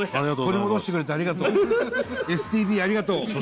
取り戻してくれてありがとうＳＴＶありがとう。